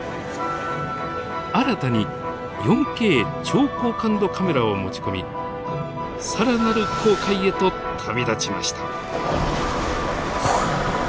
新たに４Ｋ超高感度カメラを持ち込み更なる航海へと旅立ちました。